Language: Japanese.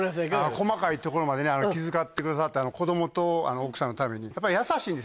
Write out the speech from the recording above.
細かいところまで気遣ってくださって子供と奥さんのために。